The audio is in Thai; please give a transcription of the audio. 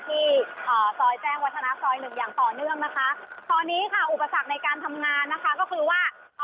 อ่าซอยแจ้งวัฒนาซอยหนึ่งอย่างต่อเนื่องนะคะตอนนี้ค่ะอุปสรรคในการทำงานนะคะก็คือว่า